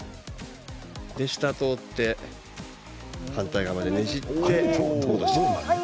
下を通って反対側までねじって元に戻していく。